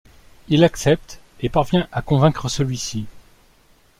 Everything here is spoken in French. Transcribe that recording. Il accepte et parvient à convaincre celui-ci.